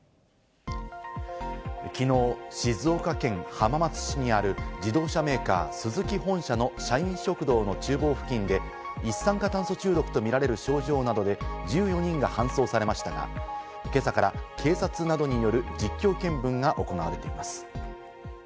昨日、静岡県浜松市にある自動車メーカー・スズキ本社の社員食堂の厨房付近で一酸化炭素中毒とみられる症状などで１４人が搬送されましたが、今朝から警察などによる実況見分が行われています。